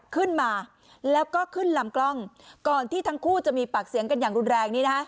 ขึ้นมาแล้วก็ขึ้นลำกล้องก่อนที่ทั้งคู่จะมีปากเสียงกันอย่างรุนแรงนี้นะคะ